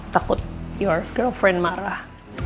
takut girlfriendmu marah